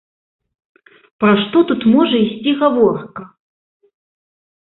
Пра што тут можа ісці гаворка?